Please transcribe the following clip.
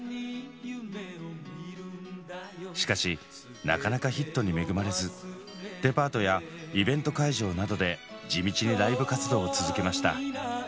しかしなかなかヒットに恵まれずデパートやイベント会場などで地道にライブ活動を続けました。